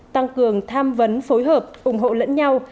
tăng cường tham vấn phối hợp ủng hộ lẫn nhau